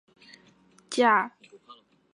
而私人持股公司将以现行股价收益比定价。